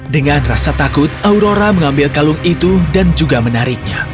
dengan rasa takut aurora mengambil kalung itu dan juga menariknya